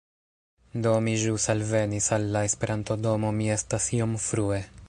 Do, mi ĵus alvenis al la Esperanto-domo mi estas iom frue